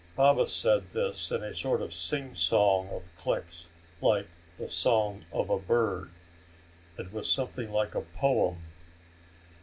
Baba said this in a sort of sing song of clicks, like the song of a bird. It was something like a poem.